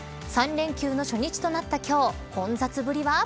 ３連休の初日となった今日混雑ぶりは。